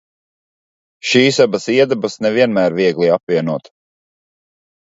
Šīs abas iedabas ne vienmēr viegli apvienot.